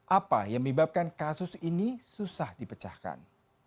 apa yang menyebabkan kasus ini susah dipecahkan